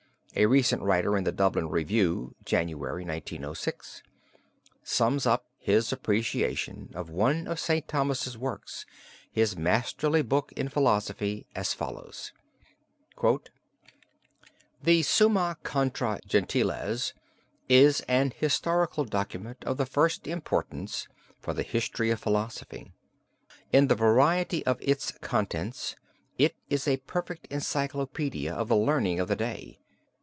A recent writer in the Dublin Review (January, 1906) sums up his appreciation of one of St. Thomas's works, his masterly book in philosophy, as follows: "The Summa contra Gentiles is an historical monument of the first importance for the history of philosophy. In the variety of its contents, it is a perfect encyclopedia of the learning of the day.